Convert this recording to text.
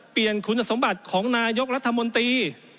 เปลี่ยนคุณสมบัติของนายกรัฐมนตรี